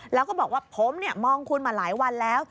แล้วก็บอกว่าผมมองคุณมาหลายวันแล้ว